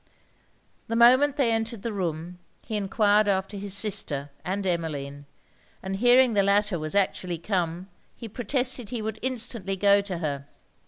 The moment they entered the room, he enquired after his sister and Emmeline; and hearing the latter was actually come, he protested he would instantly go to her.